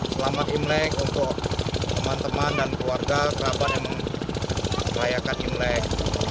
selamat imlek untuk teman teman dan keluarga kerabat yang merayakan imlek